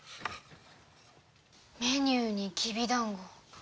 メニューにきびだんご。